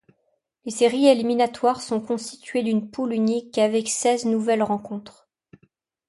Les séries éliminatoires sont constituées d'une poule unique avec seize nouvelles rencontres.